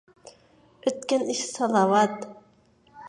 ئۆتكەن ئىش سالاۋات.